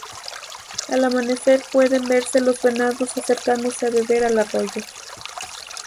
Al amanecer pueden verse los venados acercándose a beber al arroyo.